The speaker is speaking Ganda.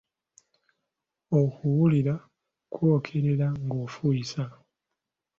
Okuwulira okwokerera ng’ofuuyisa.